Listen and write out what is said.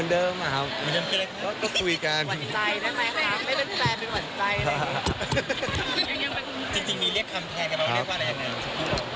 จริงนี้เรียกคำแทนกับเราเรียกว่าอะไรอันนั้น